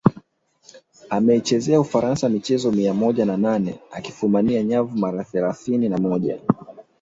Ameichezea Ufaransa michezo mia moja na nane akifumania nyavu mara thelathini na moja